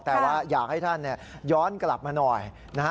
แต่ว่าอยากให้ท่านย้อนกลับมาหน่อยนะฮะ